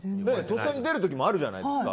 とっさに出る時もあるじゃないですか。